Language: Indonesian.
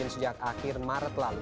sejak akhir maret lalu